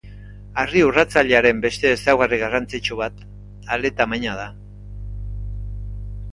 Harri urratzailearen beste ezaugarri garrantzitsu bat ale-tamaina da.